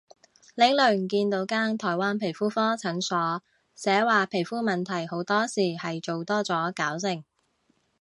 呢輪見到間台灣皮膚科診所，寫話皮膚問題好多時係做多咗搞成